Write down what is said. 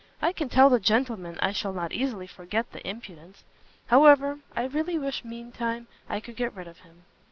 I can tell the gentleman I shall not easily forget his impertinence! however, I really wish mean time I could get rid of him."